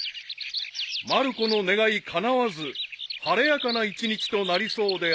［まる子の願いかなわず晴れやかな一日となりそうである］